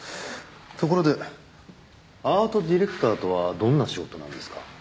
ところでアートディレクターとはどんな仕事なんですか？